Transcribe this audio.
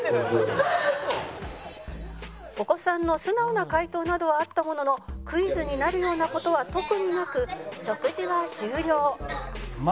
「お子さんの素直な回答などはあったもののクイズになるような事は特になく食事は終了」